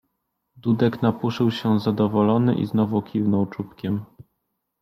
Dudek napuszył się zadowolony i znowu kiwnął czubkiem.